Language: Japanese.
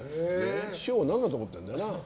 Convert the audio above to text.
師匠を何だと思ってるんだよな。